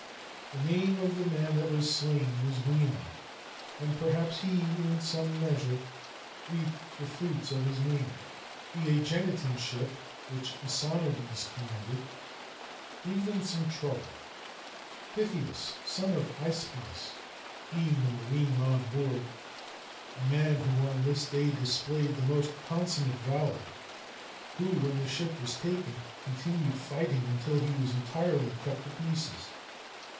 The name of the man that was slain was Leon, and perhaps he in some measure reaped the fruits of his name. The Æginetan ship, which Asonides commanded, gave them some trouble; Pytheas, son of Ischenous, being a marine on board, a man who on this day displayed the most consummate valor; who, when the ship was taken, continued fighting until he was entirely cut to pieces.